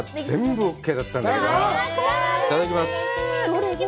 いただきます！